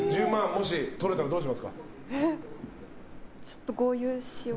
もしとれたらどうしますか。